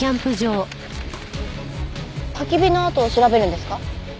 焚き火の跡を調べるんですか？